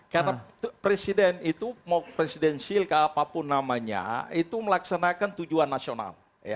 karena presiden itu mau presidensial ke apapun namanya itu melaksanakan tujuan nasional